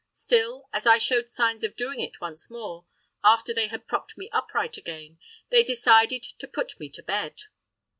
Still, as I showed signs of doing it once more, after they had propped me upright again, they decided to put me to bed.